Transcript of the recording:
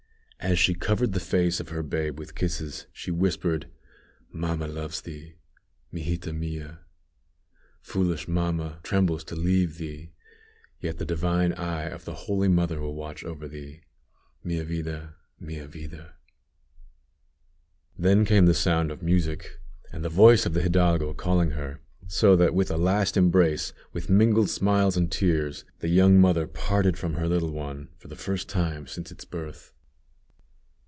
As she covered the face of her babe with kisses, she whispered, "Mamma loves thee. Mijita mia. Foolish mamma trembles to leave thee, yet the divine eye of the Holy Mother will watch over thee. Mia vida, mia vida!" Then came the sound of music, and the voice of the hidalgo calling her; so with a last embrace, with mingled smiles and tears, the young mother parted from her little one, for the first time since its birth.